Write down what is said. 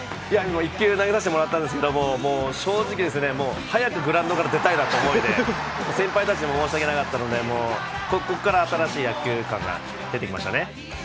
１球、投げさせてもらったんですが、正直、早くグラウンドから出たいなという思いで、先輩たちに申し訳なかったんでここから新しい野球観が出てきましたね。